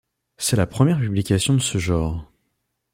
C'est la première publication de ce genre.